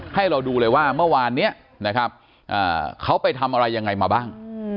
ให้เราดูเลยว่าเมื่อวานนี้นะครับเขาไปทำอะไรยังไงมาบ้าง